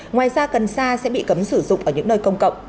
ngoài ra cần sa sẽ bị cấm sử dụng ở những nơi công cộng